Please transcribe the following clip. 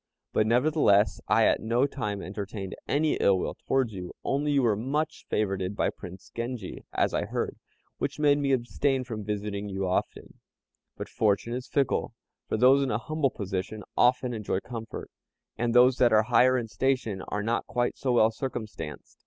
But nevertheless I at no time entertained any ill will towards you, only you were much favored by Prince Genji, as I heard, which made me abstain from visiting you often; but fortune is fickle, for those in a humble position often enjoy comfort, and those that are higher in station are not quite so well circumstanced.